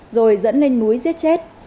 rồi dẫn lên núi giết chết